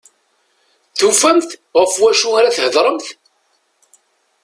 Tufamt ɣef wacu ara thedremt.